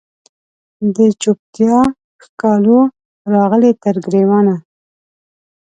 د چوپتیا ښکالو راغلې تر ګریوانه